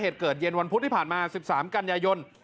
เหตุเกิดเย็นวันพุธที่ผ่านมา๑๓กันยายน